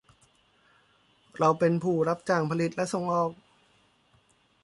เราเป็นผู้รับจ้างผลิตและส่งออก